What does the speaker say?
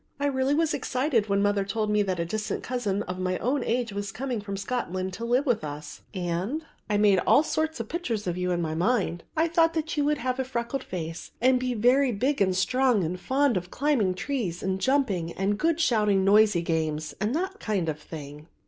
I really was excited when mother told me that a distant cousin of my own age was coming from Scotland to live with us; and I made all sorts of pictures of you in my mind. I thought that you would have a freckled face and be very big and strong and fond of climbing trees and jumping and good shouting noisy games and that kind of thing."